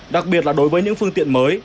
đặc biệt là đối với những phương tiện mới